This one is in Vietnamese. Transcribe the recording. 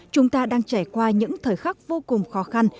chúng ta đang trải qua những thời khắc vô cùng khó khăn